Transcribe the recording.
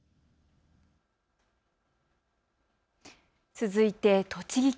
続いて栃木県。